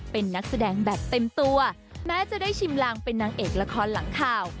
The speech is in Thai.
เป็นนักแสดงแบบเต็มตัวแม้จะได้ชิมลางเป็นนางเอกละครหลังข่าว